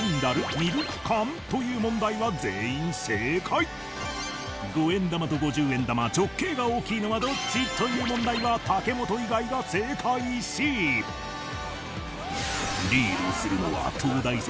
ミルク缶？」という問題は全員正解「５円玉と５０円玉」「直径が大きいのはどっち？」という問題は武元以外が正解しリードするのは東大卒